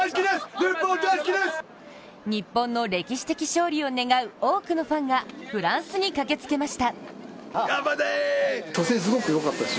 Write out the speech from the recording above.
日本の歴史的勝利を願う多くのファンがフランスに駆けつけました。